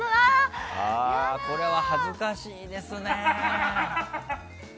これは恥ずかしいですね。